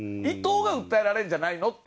伊藤が訴えられるんじゃないの？